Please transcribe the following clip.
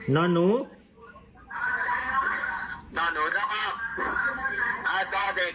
นอนหนูนะครับ